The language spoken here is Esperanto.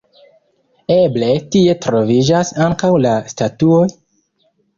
Eble tie troviĝas ankaŭ la statuoj?